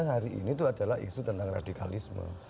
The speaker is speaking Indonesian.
hari ini itu adalah isu tentang radikalisme